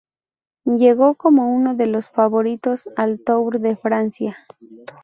Llegó como uno de los favoritos al Tour de Francia.